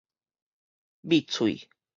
覕喙